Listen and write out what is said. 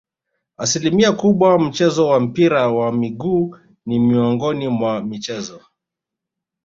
Asilimia kubwa mchezo wa mpira wa miguu ni miongoni mwa michezo